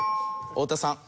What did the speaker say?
太田さん。